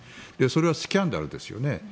それはスキャンダルですよね。